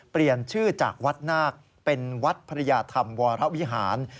เปลี่ยนชื่อจากวัดนาคเป็นวัดพระยาธรรมวรวิหาร